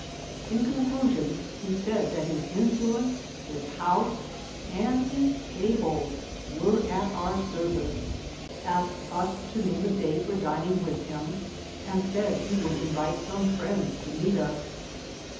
In conclusion, he said that his influence, his house, and his table were at our service, asked us to name a day for dining with him, and said he would invite some friends to meet us.